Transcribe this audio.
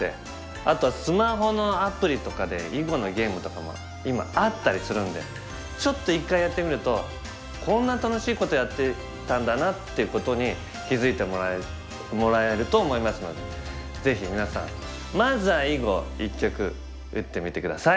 あとはスマホのアプリとかで囲碁のゲームとかも今あったりするんでちょっと一回やってみるとこんな楽しいことやってたんだなってことに気付いてもらえると思いますのでぜひ皆さんまずは囲碁一局打ってみて下さい！